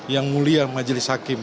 yang mulia majelis hakim